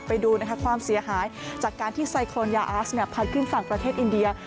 ไปดูนะคะความเสียหายจากการที่ไซโครนยาอาสพัดขึ้นฝั่งประเทศอินเดีย